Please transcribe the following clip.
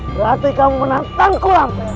berarti kamu menantangku